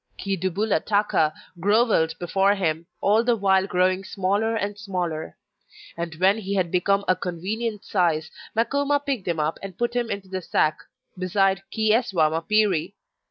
Chi dubula taka grovelled before him, all the while growing smaller and smaller; and when he had become a convenient size Makoma picked him up and put him into the sack beside Chi eswa mapiri.